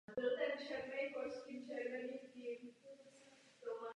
Odsouzení se proti rozsudku na místě odvolali.